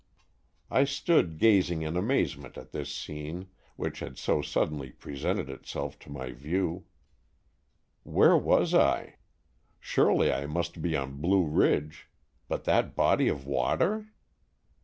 I stood gazing in amazement at this scene which had so suddenly presented itself to my view. 15 Stories from the Adirondack*. Where was I? Surely I must be on Blue Ridge— but that body of water?